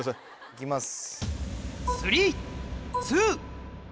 いきます。